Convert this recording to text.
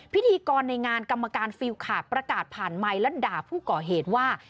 พิธีกรในงานกรรมการฟิลขาดประกาศผ่านไมค์และด่าผู้ก่อเหตุว่า